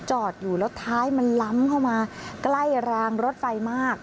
จอดอยู่แล้วท้ายมันล้ำเข้ามาใกล้รางรถไฟมาก